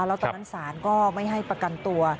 แล้วตอนนั้นศาลก็ไม่ให้ประกันตัว